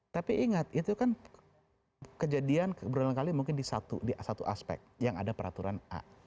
tapi ingat itu kan kejadian berulang kali mungkin di satu aspek yang ada peraturan a